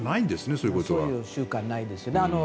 そういう習慣はないです。